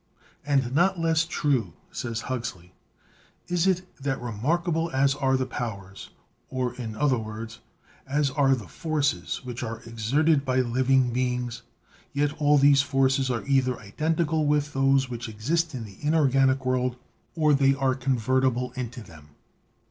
"And not less true," says Huxley, "is it that, remarkable as are the powers, or, in other words, as are the forces which are exerted by living beings, yet all these forces are either identical with those which exist in the inorganic world, or they are convertible into them.